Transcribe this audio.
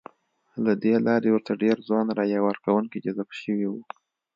ه دې لارې ورته ډېر ځوان رایه ورکوونکي جذب شوي وو.